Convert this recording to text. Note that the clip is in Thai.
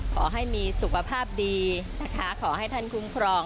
ขอให้มีสุขภาพดีนะคะขอให้ท่านคุ้มครอง